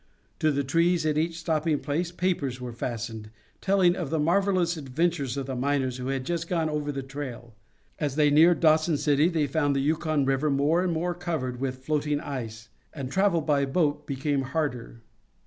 To the trees at each stopping place papers were fastened, telling of the marvelous adventures of the miners who had just gone over the trail. As they neared Dawson City they found the Yukon River more and more covered with floating ice, and travel by boat became harder.